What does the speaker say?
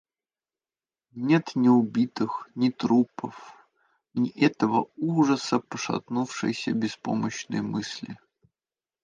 Нет ни убитых, ни трупов, ни этого ужаса пошатнувшейся беспомощной мысли.